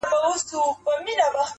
ستا نصیب ته هغه سور دوږخ په کار دئ-